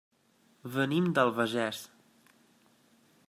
Venim de l'Albagés.